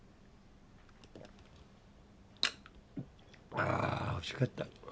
あおいしかった。